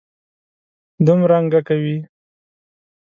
دومرنګه کوي.